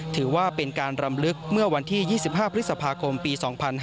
ถือว่าเป็นการรำลึกเมื่อวันที่๒๕พฤษภาคมปี๒๕๕๙